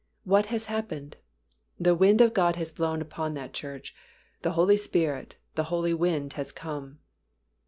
What has happened? The Wind of God has blown upon that church; the Holy Spirit, the Holy Wind, has come.